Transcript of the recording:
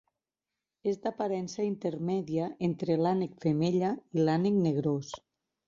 És d'aparença intermèdia entre l'ànec femella i l'ànec negrós.